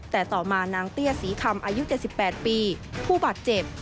แต่ต่อมานางเตี้ยศรีคำอายุ๗๘ปีผู้บาดเจ็บ